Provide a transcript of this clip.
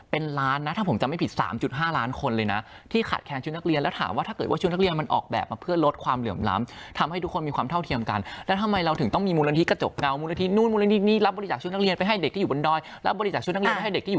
เป็นล้านนะถ้าผมจำไม่ผิด๓๕ล้านคนเลยนะที่ขาดแคลนชุดนักเรียนแล้วถามว่าถ้าเกิดว่าชุดนักเรียนมันออกแบบมาเพื่อลดความเหลื่อมล้ำทำให้ทุกคนมีความเท่าเทียมกันแล้วทำไมเราถึงต้องมีมูลนิธิกระจกเงามูลนิธินู่นมูลนิธินี่รับบริจาคชุดนักเรียนไปให้เด็กที่อยู่บนดอยแล้วบริจาคชุดนักเรียนไปให้เด็กที่อยู่